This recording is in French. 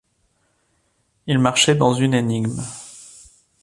Il marchait dans une énigme.